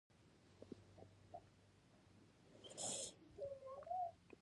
د افغان کرکټ لوبغاړو ټولې هڅې د ټیم بریا لپاره دي.